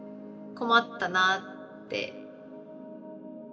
困ったなあって。